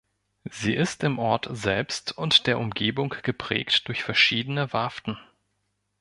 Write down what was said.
Sie ist im Ort selbst und der Umgebung geprägt durch verschiedene Warften.